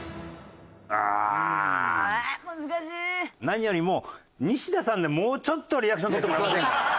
何よりもニシダさんでもうちょっとリアクション取ってもらえませんか？